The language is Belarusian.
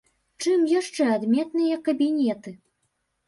Чым яшчэ адметныя кабінеты?